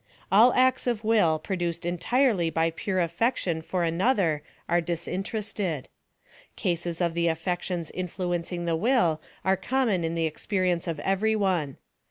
All acts of will produced entirely by pure affection foi another are disinterested. Cases of the affections influencing the will are common in the experience of every one.